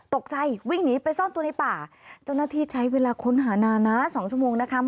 ตกใจวิ่งหนีไปซ่อนตัวในป่าเจ้าหน้าที่ใช้เวลาค้นหานานนะสองชั่วโมงนะคะ